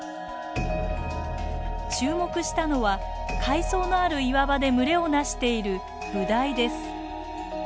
注目したのは海藻のある岩場で群れをなしているブダイです。